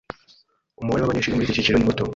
Umubare wabanyeshuri muriki cyiciro ni muto